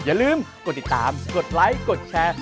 อย่าลืมกดติดตามกดไลค์กดแชร์